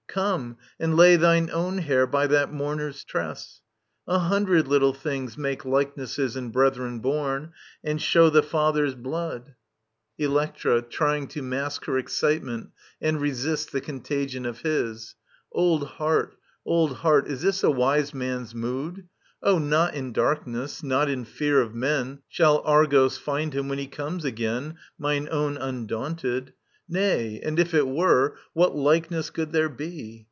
Come And lay thine own hair by that mourner's tress ! A hundred little things make likenesses In brethren bom, and show the fiither^s blood. Digitized by VjOOQIC 32 EURIPIDES Elbctra {trying to mask Jur ixcititnent arid resist the contagion of his). Old hearty old heart, is this a wise man^s mood ?••• O, not in darkness, not in fear of men, Shall ArgQS find him, when he comes again. Mine own undaunted ••. Nay, and if it were, What likeness could there be